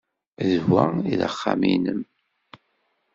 D wa ay d axxam-nnem?